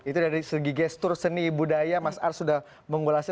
itu dari segi gestur seni budaya mas ars sudah mengulasnya